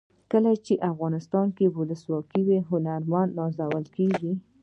کله چې افغانستان کې ولسواکي وي هنرمندان نازول کیږي.